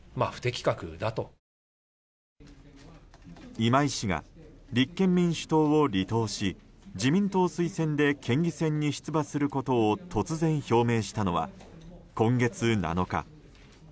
今井氏が立憲民主党を離党し自民党推薦で県議選に出馬することを突然、表明したのは今月７日。